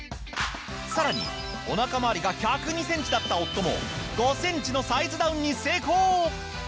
さらにお腹まわりが１０２センチだった夫も５センチのサイズダウンに成功！